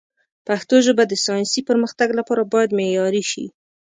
پښتو ژبه د ساینسي پرمختګ لپاره باید معیاري شي.